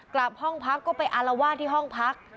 กลับห้องพักก็ไปอารวาสที่ห้องพัก